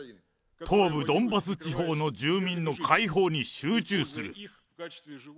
東部ドンバス地方の住民の解放に集中する。